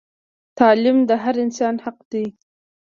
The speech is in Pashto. تعلیم د هر انسان حق دی